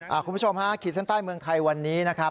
คุณผู้ชมฮะขีดเส้นใต้เมืองไทยวันนี้นะครับ